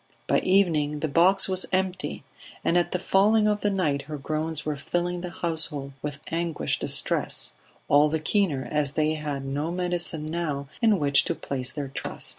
By evening the box was empty, and at the falling of the night her groans were filling the household with anguished distress, all the keener as they had no medicine now in which to place their trust.